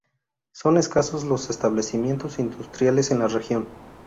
Son escasos los establecimientos industriales en la región.